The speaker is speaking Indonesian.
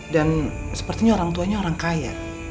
dan sepertinya orang tuanya orang kaya